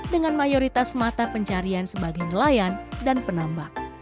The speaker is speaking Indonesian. dua lima ratus dengan mayoritas mata pencarian sebagai nelayan dan penambak